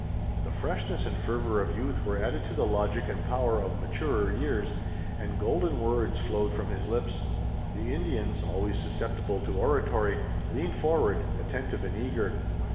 The freshness and fervor of youth were added to the logic and power of maturer years, and golden words flowed from his lips. The Indians, always susceptible to oratory, leaned forward, attentive and eager.